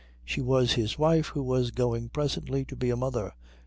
She was his wife who was going presently to be a mother.